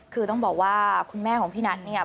คือต้องบอกว่าคุณแม่ของพี่นัทเนี่ย